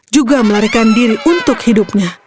juga melarikan diri untuk hidupnya